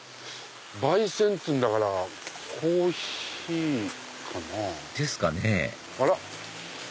焙煎っていうんだからコーヒーかな。ですかねあら？